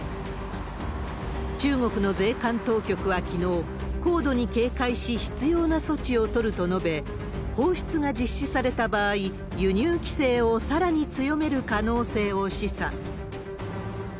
中国の税関当局はきのう、高度に警戒し、必要な措置を取ると述べ、放出が実施された場合、輸入規制をさらに強める可能性を示唆。